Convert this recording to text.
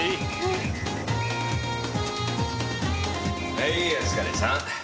はいお疲れさん。